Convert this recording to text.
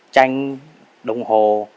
tranh đồng hồ